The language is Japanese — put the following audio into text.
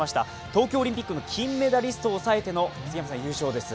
東京オリンピックの金メダリストを抑えての優勝です。